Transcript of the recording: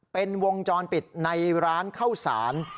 เป็นวงจรปิดในร้านเข้าสาร